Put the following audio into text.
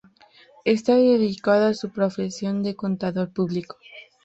Está dedicado a su profesión de Contador público.